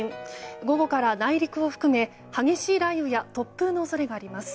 午後から内陸を含め激しい雷雨や突風の恐れがあります。